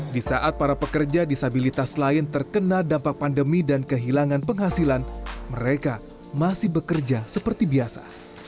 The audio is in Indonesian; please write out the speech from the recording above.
di saat para pekerja disabilitas lain terkena dampak pandemi dan kehilangan penghasilan mereka masih bekerja seperti biasa